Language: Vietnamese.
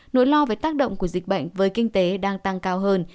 nỗi lo về tác động của dịch bệnh với kinh tế đang tăng cao hơn